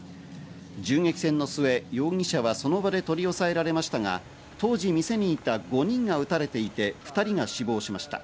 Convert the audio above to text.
銃撃戦の末、容疑者はその場で取り押さえられましたが、当時、店にいた５人が撃たれていて２人が死亡しました。